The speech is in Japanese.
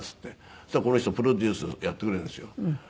そしたらこの人プロデュースやってくれるんですよ。